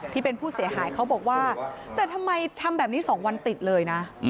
ที่เป็นผู้เสียหายเขาบอกว่าแต่ทำไมทำแบบนี้๒วันติดเลยนะ